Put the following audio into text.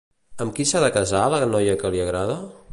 Amb qui s'ha de casar la noia que li agrada?